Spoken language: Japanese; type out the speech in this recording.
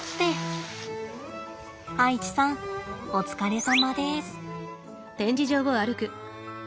アイチさんお疲れさまです。